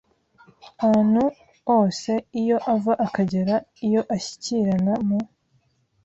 Antu ose iyo ava akagera iyo ashyikirana mu